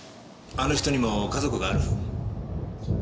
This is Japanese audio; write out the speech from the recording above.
あの人にも家族がある。